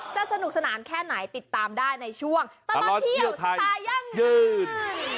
สนุกสนานแค่ไหนติดตามได้ในช่วงตลอดเที่ยวสไตล์ยั่งยืน